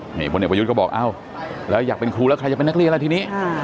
พนิษฐ์ประยุทธก็บอกอยากเป็นครูแล้วแต่อยากเป็นนักเรียนและที่นี้